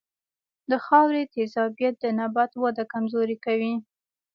د خاورې تیزابیت د نبات وده کمزورې کوي.